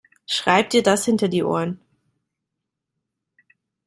Schreib dir das hinter die Ohren!